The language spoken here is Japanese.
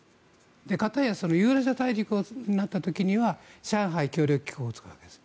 片やユーラシア大陸になった時には上海協力機構を使うわけです。